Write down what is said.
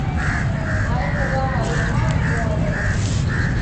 ھائي ڪريا ۿارُو پڻ اُوئون رئہ